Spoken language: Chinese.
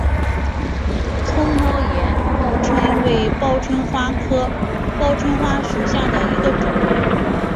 丛毛岩报春为报春花科报春花属下的一个种。